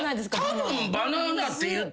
たぶんバナナって言った。